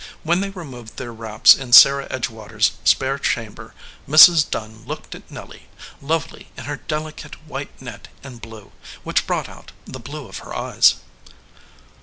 When they removed their wraps in Sarah Edge water s spare chamber Mrs. Dunn looked at Nelly, lovely in her delicate white net and blue, which brought out the blue of her eyes.